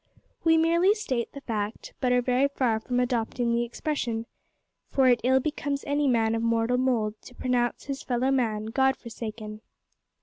We merely state the fact, but are very far from adopting the expression, for it ill becomes any man of mortal mould to pronounce his fellow man God forsaken.